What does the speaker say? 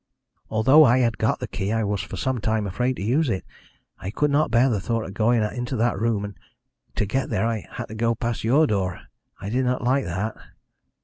"Although I had got the key I was for some time afraid to use it. I could not bear the thought of going into that room, and to get there I had to go past your door; I did not like that.